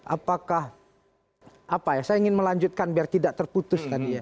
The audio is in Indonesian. apakah apa ya saya ingin melanjutkan biar tidak terputus